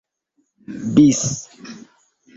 bis